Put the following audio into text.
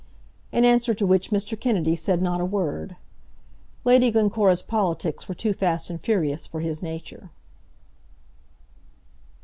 In answer to which Mr. Kennedy said not a word. Lady Glencora's politics were too fast and furious for his nature.